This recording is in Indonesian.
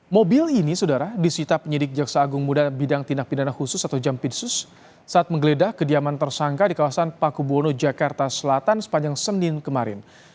mobil ini saudara disita penyidik jaksa agung muda bidang tindak pidana khusus atau jampitsus saat menggeledah kediaman tersangka di kawasan paku buwono jakarta selatan sepanjang senin kemarin